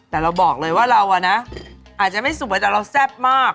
แต่เราบอกเลยว่าเราอะนะอาจจะไม่สวยแต่เราแซ่บมาก